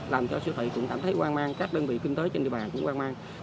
làm cho sưu thị cũng cảm thấy quan mang các đơn vị kinh tế trên địa bàn cũng quan mang